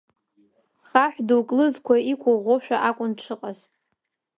Хаҳә дук лызқәа иқәыӷәӷәошәа акәын дшыҟаз.